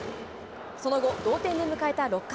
その後、同点で迎えた６回。